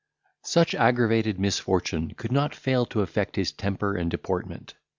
Such aggravated misfortune could not fail to affect his temper and deportment.